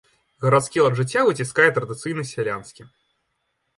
Гарадскі лад жыцця выціскае традыцыйны сялянскі.